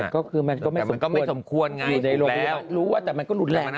ก็คือมันไม่สมควรอยู่ในโรคพยาบาลรู้อ่ะแต่อารมณ์คงทุกต์แรงคือ